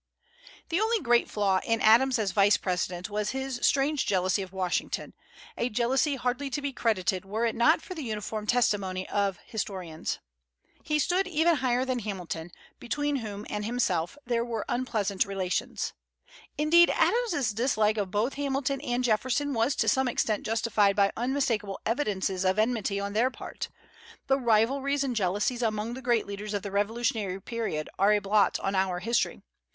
The only great flaw in Adams as Vice President was his strange jealousy of Washington, a jealousy hardly to be credited were it not for the uniform testimony of historians. But then in public estimation he stood second only to the "Father of his Country." He stood even higher than Hamilton, between whom and himself there were unpleasant relations. Indeed, Adams's dislike of both Hamilton and Jefferson was to some extent justified by unmistakable evidences of enmity on their part. The rivalries and jealousies among the great leaders of the revolutionary period are a blot on our history.